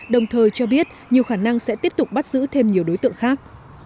đồng thời cho biết nhiều khả năng sẽ tiếp tục bắt giữ thêm nhiều đối tượng khác